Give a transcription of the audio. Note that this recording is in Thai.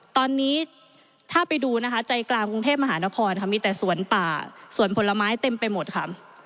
ตอนนี้ถ้าไปดูนะคะใจกลางกรุงเทพมหานครค่ะมีแต่สวนป่าสวนผลไม้เต็มไปหมดค่ะ